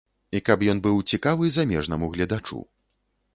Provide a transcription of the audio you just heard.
І каб ён быў цікавы замежнаму гледачу.